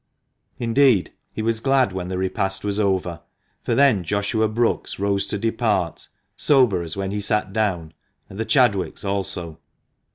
Indeed, he was glad when the repast was over, for then Joshua Brookes rose to depart, sober as when he sat down, and the Chadwicks also.